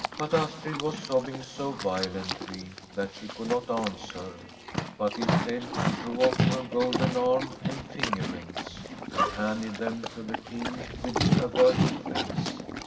But Astrid was sobbing so violently that she could not answer, but instead she drew off her golden arm and finger rings, and handed them to the King with averted face.